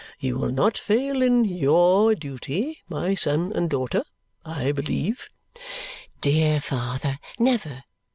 You will not fail in YOUR duty, my son and daughter, I believe?" "Dear father, never!"